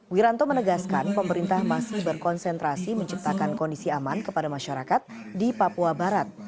wiranto menegaskan pemerintah masih berkonsentrasi menciptakan kondisi aman kepada masyarakat di papua barat